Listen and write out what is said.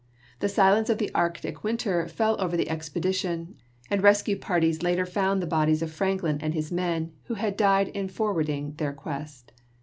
The silence of the Arctic winter fell over the expedition, and rescue parties later found the bodies of Franklin and his men, who had died in forwarding their quest.